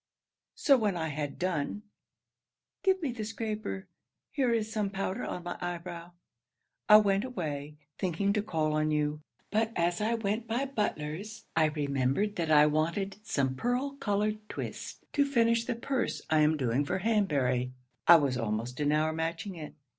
So when I had done [give me the scraper; here is some powder on my eye brow] I went away, thinking to call on you; but as I went by Butler's, I remembered that I wanted some pearl coloured twist to finish the purse I am doing for Hanbury. I was almost an hour matching it.